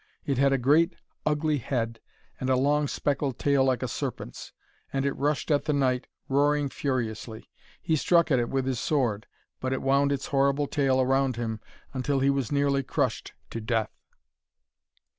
It had a great ugly head and a long speckled tail like a serpent's, and it rushed at the knight, roaring furiously. He struck at it with his sword, but it wound its horrible tail around him, until he was nearly crushed to death.